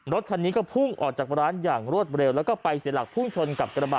รถคันนี้ก็พุ่งออกจากร้านอย่างรวดเร็วแล้วก็ไปเสียหลักพุ่งชนกับกระบะ